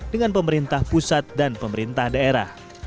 dengan pemerintah pusat dan pemerintah daerah